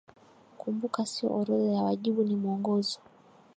kumbuka sio orodha ya wajibu ni mwongozo